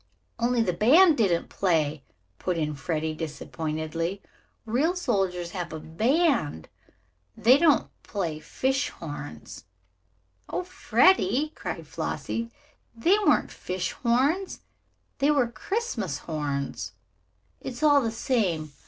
"Only the band didn't play," put in Freddie disappointedly. "Real soldiers have a band. They don't play fish horns." "Oh, Freddie!" cried Flossie. "They weren't fish horns. They were Christmas horns." "It's all the same.